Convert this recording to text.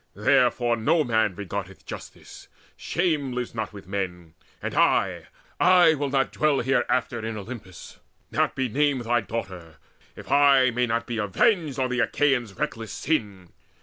Therefore no man regardeth justice: shame Lives not with men! And I, I will not dwell Hereafter in Olympus, not be named Thy daughter, if I may not be avenged On the Achaeans' reckless sin!